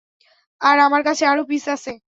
আর, আমার কাছে আরো পিস আছে।